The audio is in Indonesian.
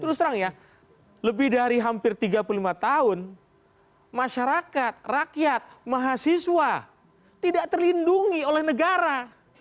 terus terang ya lebih dari hampir tiga puluh lima tahun masyarakat rakyat mahasiswa tidak terlindungi oleh negara